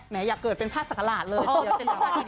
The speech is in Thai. แหมอยากเกิดเป็นภาพศักดิ์ขลาดเลยเดี๋ยวจะเลือกให้ดี